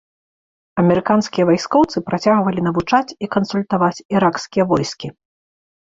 Амерыканскія вайскоўцы працягвалі навучаць і кансультаваць іракскія войскі.